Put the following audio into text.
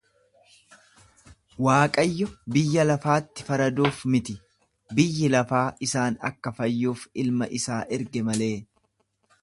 Waaqayyo biyya lafaatti faraduuf miti, biyyi lafaa isaan akka fayyuuf ilma isaa erge malee.